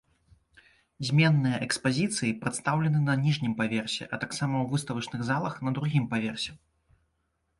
Зменныя экспазіцыі прадстаўлены на ніжнім паверсе, а таксама ў выставачных залах на другім паверсе.